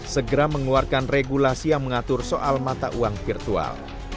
segera mengeluarkan regulasi yang mengatur soal mata uang virtual